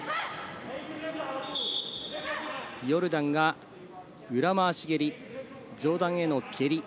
ヨルダンが裏回し蹴り、上段への蹴り。